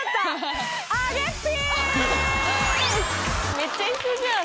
めっちゃ一緒じゃん。